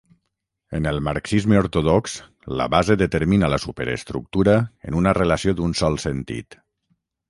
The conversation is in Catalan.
En el marxisme ortodox, la base determina la superestructura en una relació d'un sol sentit.